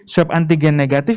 swab antigen negatif